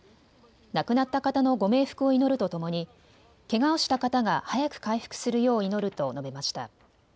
亡くなった方のご冥福を祈るとともに、けがをした方が早く回復するよう祈ると述べました。